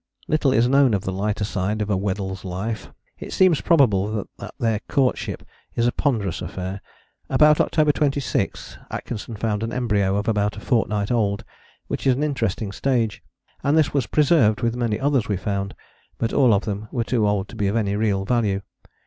Little is known of the lighter side of a Weddell's life. It seems probable that their courtship is a ponderous affair. About October 26 Atkinson found an embryo of about a fortnight old, which is an interesting stage, and this was preserved with many others we found, but all of them were too old to be of any real value.